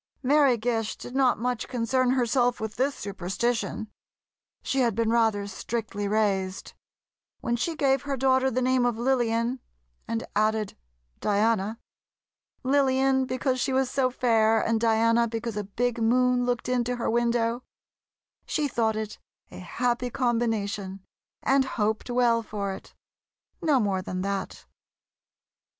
Mary Gish did not much concern herself with this superstition; she had been rather strictly raised; when she gave her daughter the name of Lillian, and added Diana—Lillian because she was so fair, and Diana because a big moon looked into her window—she thought it a happy combination and hoped well for it—no more than that.